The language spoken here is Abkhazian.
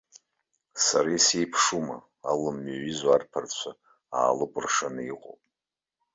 Сара исеиԥшума, алым иаҩызоу арԥарцәа аалыкәыршаны иҟоуп.